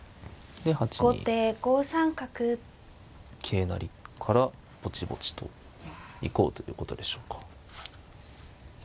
で８二桂成からぼちぼちと行こうということでしょうか。